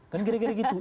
kan kira kira gitu